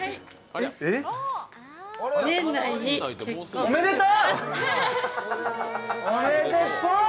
おめでとう！